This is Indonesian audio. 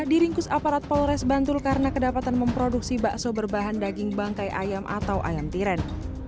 diringkus aparat polres bantul karena kedapatan memproduksi bakso berbahan daging bangkai ayam atau ayam tiren